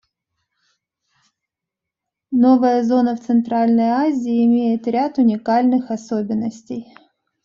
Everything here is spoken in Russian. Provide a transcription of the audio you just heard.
Новая зона в Центральной Азии имеет ряд уникальных особенностей.